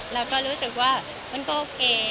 แล้วก็รู้สึกว่ามันก็โอเค